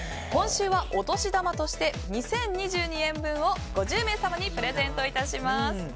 今週はお年玉として２０２２円分を５０名様にプレゼント致します。